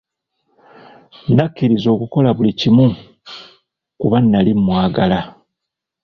Nakkiriza okukola buli kimu kuba nnali mwagala.